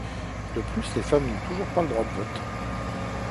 De plus, les femmes n'ont toujours pas le droit de vote.